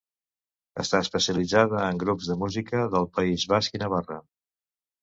Està especialitzada en grups de música del País Basc i Navarra.